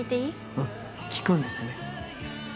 うん聞くんですね